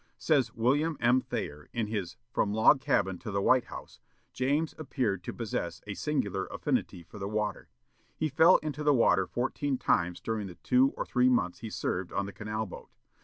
Says William M. Thayer, in his "From Log Cabin to the White House": "James appeared to possess a singular affinity for the water. He fell into the water fourteen times during the two or three months he served on the canal boat.